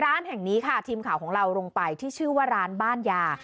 ร้านแห่งนี้ค่ะทีมข่าวของเราลงไปที่ชื่อว่าร้านบ้านยา